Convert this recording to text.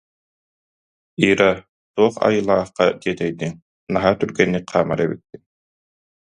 Ира, туох айылаахха тиэтэйдиҥ, наһаа түргэнник хаамар эбиккин